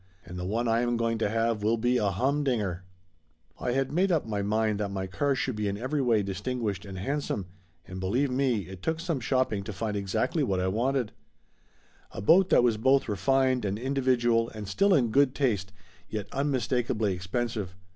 And the one I am going to have will be a humdinger !" I had made up my mind that my car should be in every way distinguished and handsome, and believe me it took some shopping to find exactly what I wanted a boat that was both refined and individual and still in good taste, yet unmistakably expensive.